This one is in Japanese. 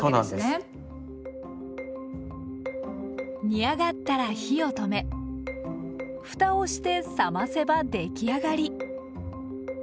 煮上がったら火を止めふたをして冷ませばできあがり。